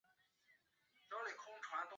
位于该国中部和东南部的过渡地带。